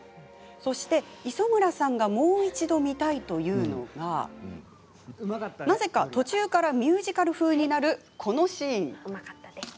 そして磯村さんがもう一度、見たいというのがなぜか途中からミュージカル風になるこのシーン。